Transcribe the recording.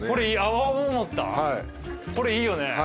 これいいよね。